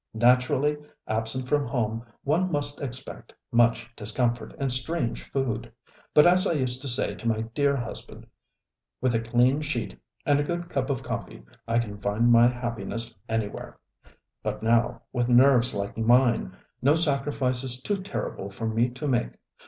Naturally, absent from home one must expect much discomfort and strange food. But as I used to say to my dear husband: with a clean sheet and a good cup of coffee I can find my happiness anywhere. But now, with nerves like mine, no sacrifice is too terrible for me to make.